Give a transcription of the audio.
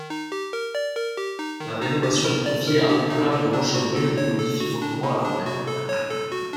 La rénovation est confiée à Octave de Rochebrune qui modifie fortement la fontaine.